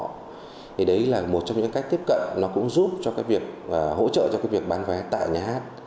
thì đấy là một trong những cách tiếp cận nó cũng giúp cho cái việc hỗ trợ cho cái việc bán vé tại nhà hát